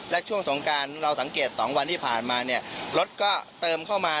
และช่วงสงการเราสังเกต๒วันที่ผ่านมาเนี่ยรถก็เติมเข้ามา